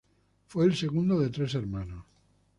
Fue el segundo de tres hermanos.